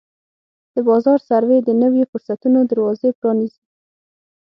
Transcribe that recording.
د بازار سروې د نویو فرصتونو دروازې پرانیزي.